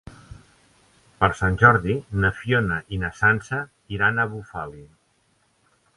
Per Sant Jordi na Fiona i na Sança iran a Bufali.